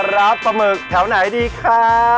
ร้านปัมมึงแถวไหนดีค่ะ